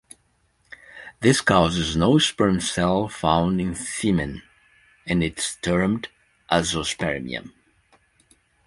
This causes no sperm cell found in semen and it is termed Azoospermia.